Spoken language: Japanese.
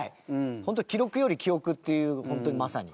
本当に記録より記憶っていう本当にまさに。